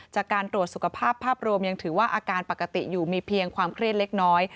จากการตรวจสุขภาพภาพรวมยังถือว่าอาการปกติอยู่มีเพียงความเครียดเล็กน้อย